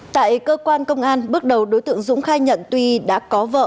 tại cơ quan công an bước đầu đối tượng dũng khai nhận tuy đã có vợ